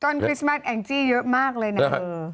ตอนคริสไมต์เฮริ่มแองจี้เยอะมากเลยนะ